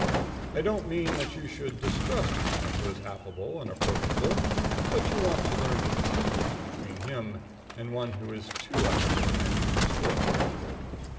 I don't mean that you should distrust a man who is affable and approachable, but you want to learn to distinguish between him and one who is too affable and too approachable.